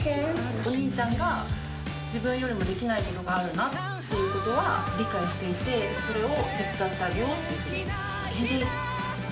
お兄ちゃんが自分よりもできないことがあるなっていうことは理解していて、それを手伝ってあげようっていう。